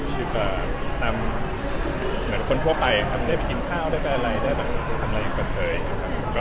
ชีวิตตามเหมือนคนทั่วไปได้ไปกินข้าวได้ไปทำอะไรอย่างกันเถอะ